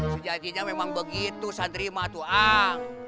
sejajarnya memang begitu sandri matuang